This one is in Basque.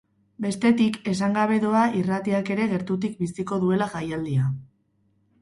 Bestetik, esan gabe doa irratiak ere gertutik biziko duela jaialdia.